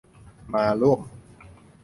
มาร่วม